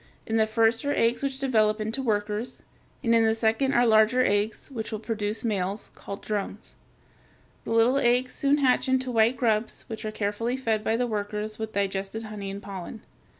In the first are eggs which develop into workers, and in the second are larger eggs which will produce males, called drones. The little eggs soon hatch into white grubs which are carefully fed by the workers with digested honey and pollen.